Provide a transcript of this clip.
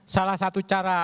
salah satu cara